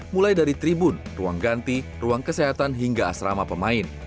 mulai dari tribun ruang ganti ruang kesehatan hingga asrama pemain